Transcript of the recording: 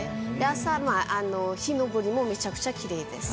朝日昇りもめちゃくちゃきれいです。